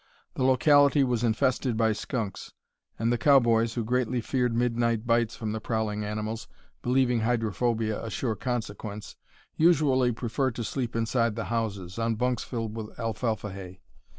The locality was infested by skunks, and the cowboys, who greatly feared midnight bites from the prowling animals, believing hydrophobia a sure consequence, usually preferred to sleep inside the houses, on bunks filled with alfalfa hay.